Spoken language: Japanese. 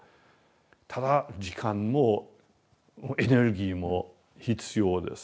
ただ時間もエネルギーも必要ですね。